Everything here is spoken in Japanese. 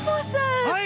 はい！